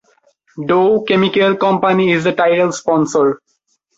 Dow Chemical Company is the title sponsor.